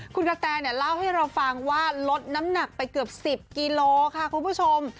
คุณกะแตเล่าให้เราฟังว่าลดน้ำหนักไปเกือบ๑๐กิโลค่ะคุณผู้ชม